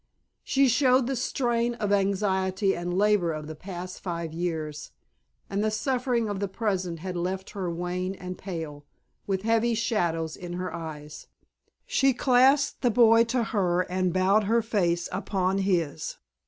She showed the strain of anxiety and labor of the past five years, and the suffering of the present had left her wan and pale, with heavy shadows in her eyes. She clasped the boy to her and bowed her face upon his.